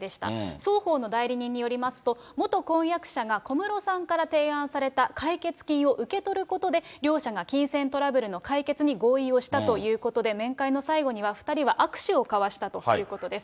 双方の代理人によりますと、元婚約者が小室さんから提案された解決金を受け取ることで、両者が金銭トラブルの解決に合意をしたということで、面会の最後には、２人は握手を交わしたということです。